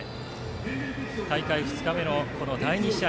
大会２日目の第２試合。